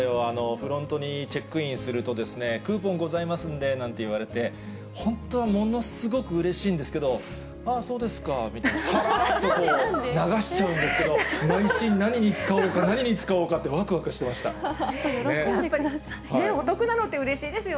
フロントにチェックインすると、クーポンございますんでなんて言われて、本当はものすごくうれしいんですけど、ああそうですかみたいな、さらっと流しちゃうんですけど、内心、何に使おうか、何に使おうかってわくわくしてまお得なのってうれしいですよ